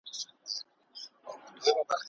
اوبه مو ګرمي دي په لاس کي مو ډوډۍ سړه ده